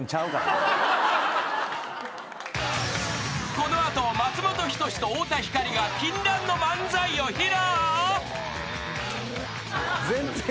［この後松本人志と太田光が禁断の漫才を披露］